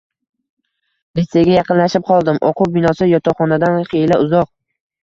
Litseyga yaqinlashib qoldim. Oʻquv binosi yotoqxonadan xiyla uzoq.